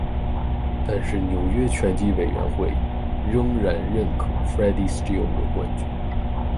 但是，纽约拳击委员会仍然认可 Freddie Steele 为冠军。